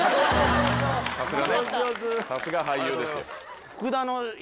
さすが俳優ですね。